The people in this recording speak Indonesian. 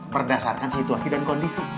berdasarkan situasi dan kondisi